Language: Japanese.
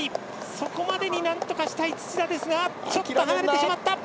そこまでになんとかしたい土田ですがちょっと離れてしまった！